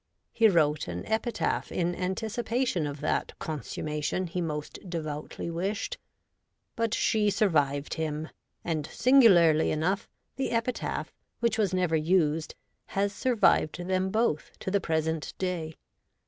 He wrote an epitaph in anticipation of that consumma tion he most devoutly wished ; but she survived him, and, singularly enough, the epitaph which was I02 REVOLTED WOMAN. never used has survived them both to the present day.